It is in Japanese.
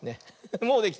もうできた。